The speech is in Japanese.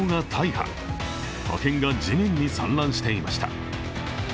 破片が地面に散乱していました。